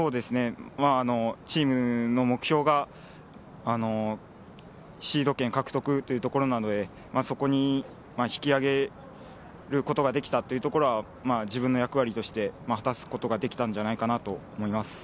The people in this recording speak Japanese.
チームの目標がシード権獲得というところなので、そこに引き上げることができたというところは自分の役割として果たすことができたんじゃないかなと思います。